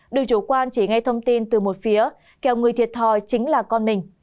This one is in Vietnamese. được chủ quan chỉ ngay thông tin từ một phía kéo người thiệt thòi chính là con mình